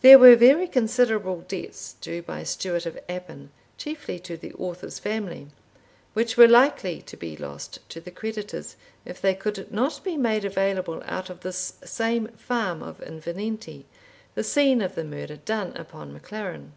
There were very considerable debts due by Stewart of Appin (chiefly to the author's family), which were likely to be lost to the creditors, if they could not be made available out of this same farm of Invernenty, the scene of the murder done upon MacLaren.